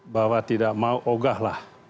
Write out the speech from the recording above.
bahwa tidak mau ogahlah